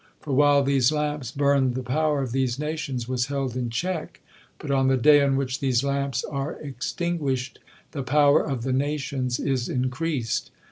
For while these lamps burned the power of these nations was held in check, but on the day on which these lamps are extinguished the power of the nations is increased.